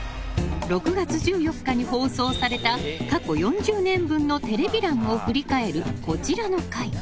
６月１４日に放送された過去４０年分のテレビ欄を振り返る、こちらの回。